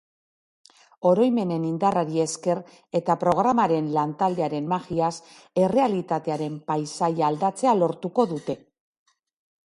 Oroimenen indarrari esker eta programaren lantaldearen magiaz, errealitatearen paisaia aldatzea lortuko dute.